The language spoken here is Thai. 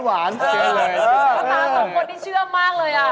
ข้างตาสองคนนี่เชื่อมมากเลย